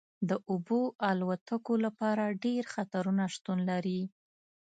د اوبو الوتکو لپاره ډیر خطرونه شتون لري